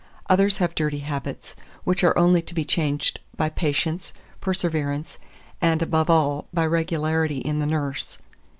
Others have dirty habits, which are only to be changed by patience, perseverance, and, above all, by regularity in the nurse.